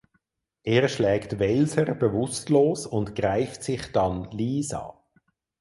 Er schlägt Welser bewusstlos und greift sich dann Lisa.